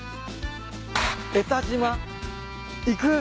江田島行く？